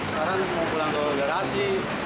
sekarang mau pulang ke garasi